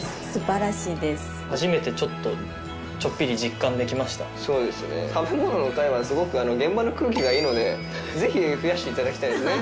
初めてちょっと食べ物の回はすごく現場の空気がいいのでぜひ増やして頂きたいですね。